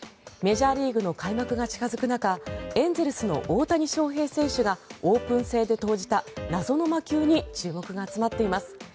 メジャーリーグの開幕が近付く中エンゼルスの大谷翔平選手がオープン戦で投じた謎の魔球に注目が集まっています。